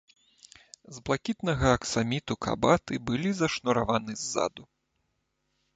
З блакітнага аксаміту кабаты былі зашнураваны ззаду.